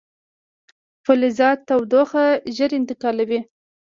فلزات تودوخه ژر انتقالوي.